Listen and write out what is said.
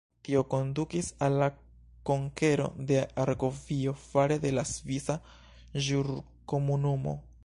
Tio kondukis al la konkero de Argovio fare de la Svisa Ĵurkomunumo.